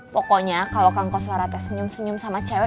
pokoknya kalo kangkos suaranya senyum senyum sama cewek